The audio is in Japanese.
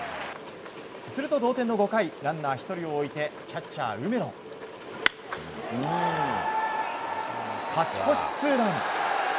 すると同点の５回ランナー１人を置いて勝ち越しツーラン！